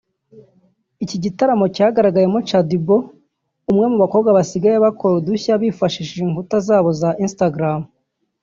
Iki gitaramo cyagaragayemo Shadyboo umwe mu bakobwa basigaye bakora udushya bifashishije inkuta zabo za Instagram